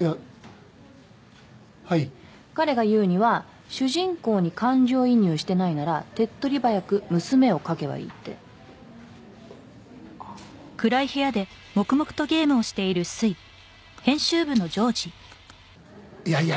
いやはい彼が言うには主人公に感情移入してないなら手っ取り早く娘を描けばいいってあっいやいや